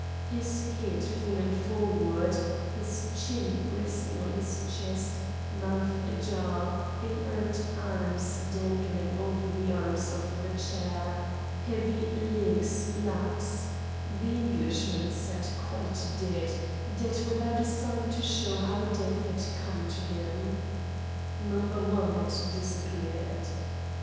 His head fallen forward, chin resting on his chest, mouth ajar, inert arms dangling over the arms of the chair, heavy legs lax, the Englishman sat quite dead, dead without a sign to show how death had come to him. Number One had disappeared.